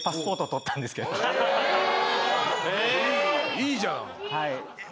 いいじゃん。